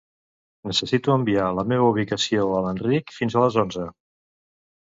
Necessito enviar la meva ubicació a l'Enric fins a les onze.